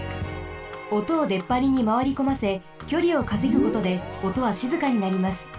おとをでっぱりにまわりこませきょりをかせぐことでおとはしずかになります。